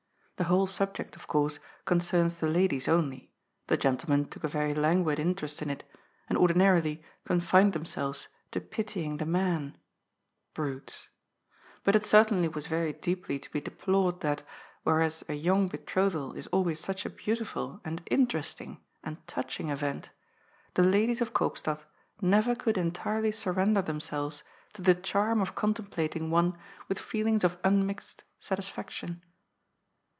The whole subject, of course, concerns the ladies only ; the gentlemen took a very languid interest in it, and ordinarily confined them selves to pitying the man — brutes. But it certainly was very deeply to be deplored that, whereas a young betrothal is always such a beautiful and interesting and touching event, the ladies of Koopstad never could entirely surrender themselves to the charm of contemplating one with feelings of unmixed satisfaction.